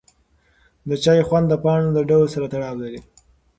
د چای خوند د پاڼو له ډول سره تړاو لري.